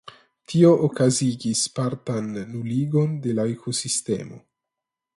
Tio okazigis partan nuligon de la ekosistemo.